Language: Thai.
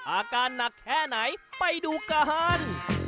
อาการหนักแค่ไหนไปดูกัน